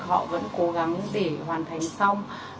họ vẫn cố gắng để hoàn thành xong